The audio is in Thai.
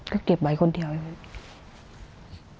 ก็เก็บไว้คนเดียวเอง